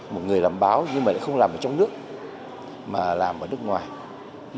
một người làm báo nhưng mà lại không làm ở trong nước mà làm ở nước ngoài